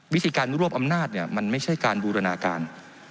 วิธีการรวบอำนาจมันไม่ใช่การบูรณาการ